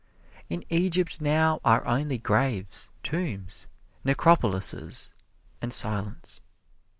In Egypt now are only graves, tombs, necropolises and silence.